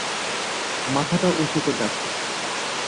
মাথাটা উঁচু করে রাখো।